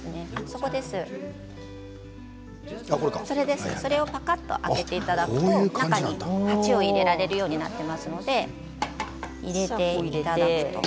そこです、それをパカっと開けていただくと中に鉢を入れられるようになっていますので入れていただくと。